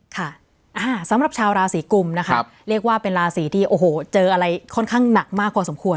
ค่ะสำหรับชาวราศีกุมนะคะเรียกว่าเป็นราศีที่โอ้โหเจออะไรค่อนข้างหนักมากพอสมควร